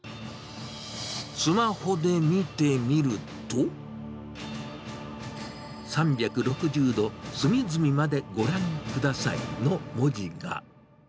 スマホで見てみると、３６０度隅々までご覧くださいの文字が。